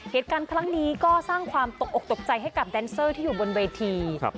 เหตุการณ์ครั้งนี้ก็สร้างความตกอกตกใจให้กับแดนเซอร์ที่อยู่บนเวที